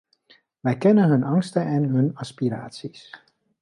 Wij kennen hun angsten en hun aspiraties.